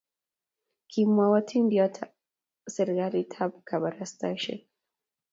kimwou atindionoto serindetab kabarasteiwek.